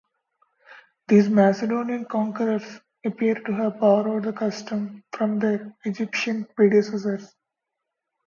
These Macedonian conquerors appear to have borrowed the custom from their Egyptian predecessors.